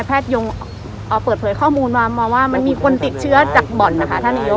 พเอนเล็กเอาอ๋อเปิดเผยข้อมูลมามาว่ามันมีคนติดเชื้อจากบ่อนนะคะ